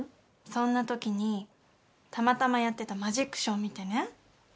そんなときにたまたまやってたマジックショーを見てね。